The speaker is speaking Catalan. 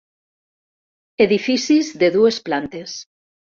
Edificis de dues plantes.